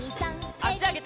あしあげて。